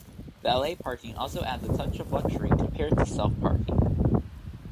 Valet parking also adds a touch of luxury compared to self-parking.